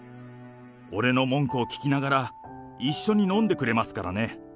俺の文句を聞きながら、一緒に飲んでくれますからね。